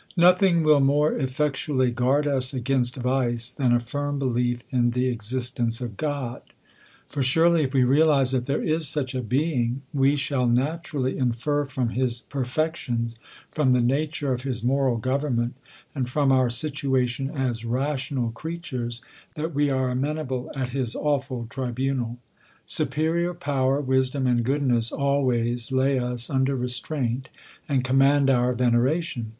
] IV'OTHING will more effecluaDy guard us against ■^^ vice, than a firm belief m the existence of God. For surely if we realize that there Ls such a Being, we shall naturally infer from his perfections, from the na ture of his moral government, and from our situation as rational creatures, that we are amenable at his awful tribunal. Superior power, wisdom, and goodness, always lay us under restraint, and command our vene ration.